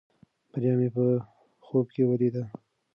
بریا مې په خوب کې ولیده.